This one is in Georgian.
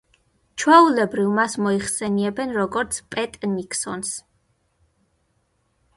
ჩვეულებრივ მას მოიხსენიებენ, როგორც პეტ ნიქსონს.